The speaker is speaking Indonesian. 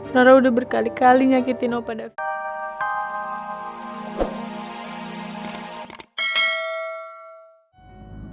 rara udah berkali kali nyakitin opa davin